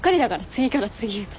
次から次へと。